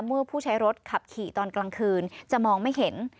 เมื่อผู้ใช้รถขับขี่ตอนกลางคืนจะมองไม่เห็น